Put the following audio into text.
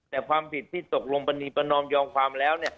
แต่ความผิดที่ตกลงปรณีประนอมยอมความแล้ว